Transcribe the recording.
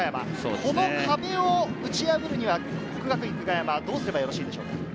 この壁を打ち破るには國學院久我山、どうすればよろしいでしょうか？